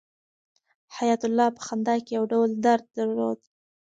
حیات الله په خندا کې یو ډول درد درلود.